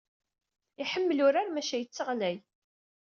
Iḥemmel urar maca yetteɣlay.